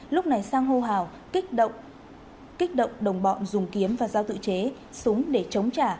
lúc này sang hô hào kích động đồng bọn dùng kiếm và dao tự chế súng để chống trả